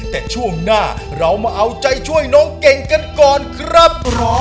แต่ช่วงหน้าเรามาเอาใจช่วยน้องเก่งกันก่อนครับ